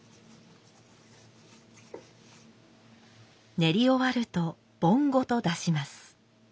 練り終わると盆ごと出します。